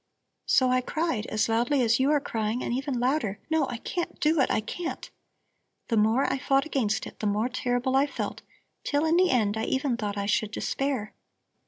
So I cried, as loudly as you are crying and even louder: 'No, I can't do it, I can't!' The more I fought against it, the more terrible I felt, till in the end I even thought I should despair.